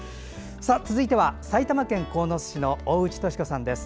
続いては、埼玉県鴻巣市の大内俊子さんです。